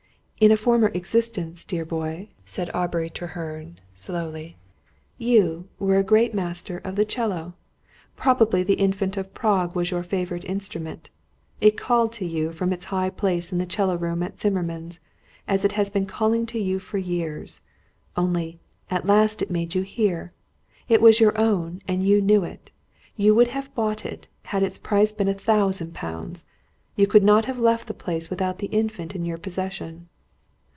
"In a former existence, dear boy," said Aubrey Treherne, slowly, "you were a great master of the 'cello. Probably the Infant of Prague was your favourite instrument. It called to you from its high place in the 'cello room at Zimmermann's, as it has been calling to you for years; only, at last, it made you hear. It was your own, and you knew it. You would have bought it, had its price been a thousand pounds. You could not have left the place without the Infant in your possession."